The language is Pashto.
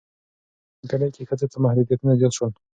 منځنۍ پیړۍ کې ښځو ته محدودیتونه زیات شول.